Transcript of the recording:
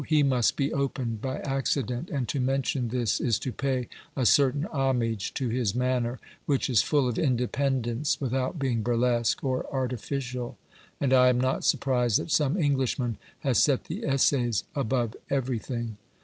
He must be opened by accident, and to mention this is to pay a certain homage to his manner, which is full of independence, without being burlesque or artificial, and I am not surprised that some Englishman has set the Essays above everything.